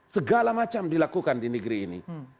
segala macam dilakukan di negeri ini